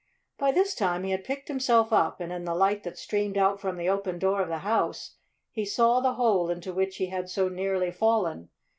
By this time he had picked himself up, and in the light that streamed out from the open door of the house he saw the hole into which he had so nearly fallen.